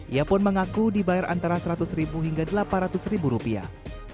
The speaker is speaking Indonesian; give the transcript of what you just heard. ia pun mengaku dibayar antara seratus ribu hingga delapan ratus ribu rupiah